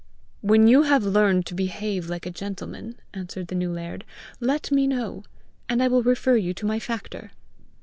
"When you have learned to behave like a gentleman," answered the new laird, "let me know, and I will refer you to my factor."